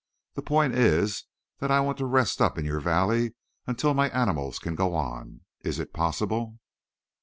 The point is that I want to rest up in your valley until my animals can go on. Is it possible?"